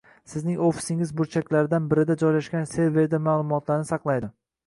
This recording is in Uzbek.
sizning ofisingiz burchaklaridan birida joylashgan serverda maʼlumotlarni saqlaydi.